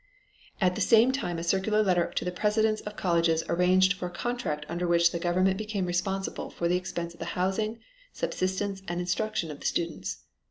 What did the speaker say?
At the same time a circular letter to the presidents of colleges arranged for a contract under which the government became responsible for the expense of the housing, subsistence, and instruction of the students.